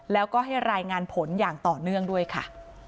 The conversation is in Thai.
แล้วก็ให้รายงานผลอย่างต่อเนื่องด้วยค่ะ